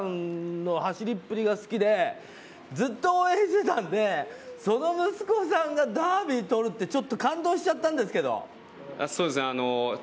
もう本当に僕、今も言ったんですけど、お父さんの走りっぷりが好きで、ずっと応援していたので、その息子さんがダービーを取るって、ちょっと感動しちゃったんですけど。